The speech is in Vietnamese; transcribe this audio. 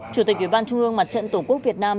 chủ tịch ubnd mặt trận tổ quốc việt nam